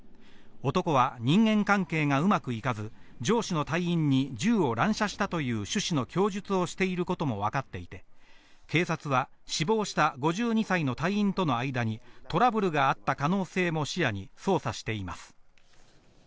男は人間関係がうまくいかず、上司の隊員に銃を乱射したという趣旨の供述をしていることもわかっていて、警察は死亡した５２歳の隊員との間にトラブルがあった可能性も視野に捜査しています。